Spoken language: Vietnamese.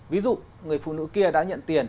ví dụ người phụ nữ kia đã nhận tiền